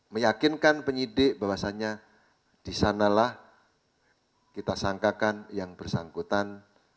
meyakinkan penyidik bahwasannya disanalah kita sangkakan yang bersangkutan